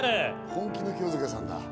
本気の清塚さんだ。